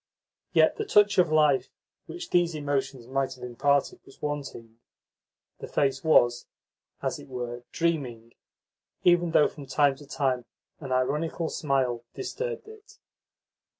Yet the touch of life which those emotions might have imparted was wanting. The face was, as it were, dreaming, even though from time to time an ironical smile disturbed it.